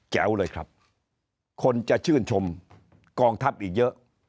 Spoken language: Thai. วเลยครับคนจะชื่นชมกองทัพอีกเยอะ